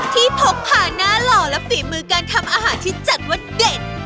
พกพาหน้าหล่อและฝีมือการทำอาหารที่จัดว่าเด็ด